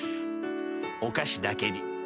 お菓子だけに。